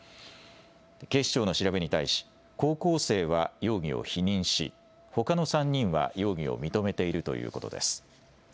警視庁の調べに対し、高校生は容疑を否認し、ほかの３人は容疑を認めているということです。